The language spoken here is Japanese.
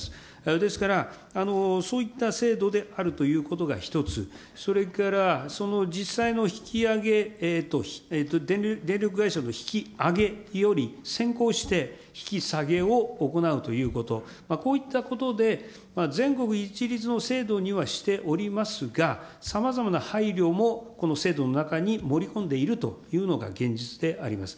ですから、そういった制度であるということが１つ、それから実際の引き上げ、電力会社の引き上げより先行して引き下げを行うということ、こういったことで、全国一律の制度にはしておりますが、さまざまな配慮も制度の中に盛り込んでいるというのが現実であります。